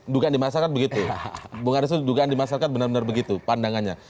dugaan di masyarakat begitu bung arief itu dugaan di masyarakat benar benar begitu pandangannya